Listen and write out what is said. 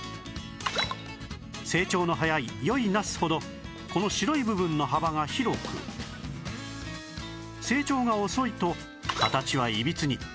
生長の早い良いナスほどこの白い部分の幅が広く生長が遅いと形はいびつに